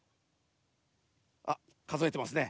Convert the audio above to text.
あっかぞえてますね。